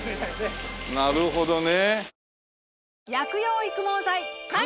なるほどね。